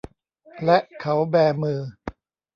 และเขาแบมือ